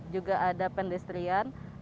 juga ada pendestrian